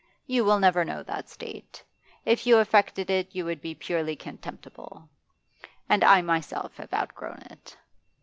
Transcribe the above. You will never know that state; if you affected it you would be purely contemptible. And I myself have outgrown it.